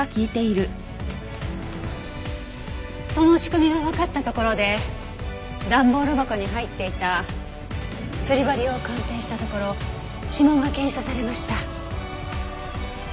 その仕組みがわかったところで段ボール箱に入っていた釣り針を鑑定したところ指紋が検出されました。